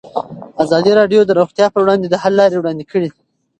ازادي راډیو د روغتیا پر وړاندې د حل لارې وړاندې کړي.